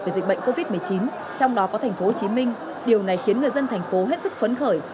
về dịch bệnh covid một mươi chín trong đó có thành phố hồ chí minh điều này khiến người dân thành phố hết sức phấn khởi